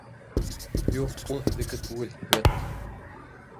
Юҡ, ул һеҙҙеке түгел, вәт.